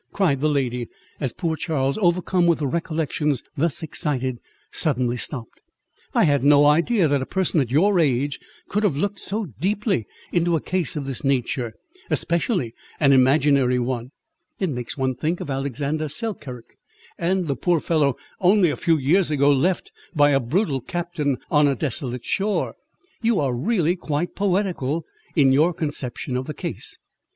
cried the lady, as poor Charles, overcome with the recollections thus excited, suddenly stopped. "I had no idea that a person at your age could have looked so deeply into a case of this nature, especially an imaginary one; it makes one think of Alexander Selkirk, and the poor fellow, only a few years ago, left by a brutal captain on a desolate shore: you are really quite poetical in your conception of the case."